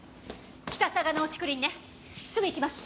北嵯峨の竹林ねすぐ行きます！